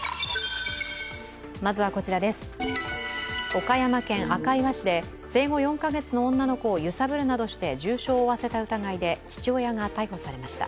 岡山県赤磐市で生後４か月の女の子を揺さぶるなどして重傷を負わせた疑いで父親が逮捕されました。